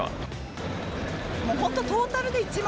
本当、トータルで１万。